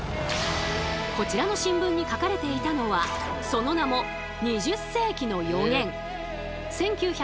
こちらの新聞に書かれていたのはその名も例えば。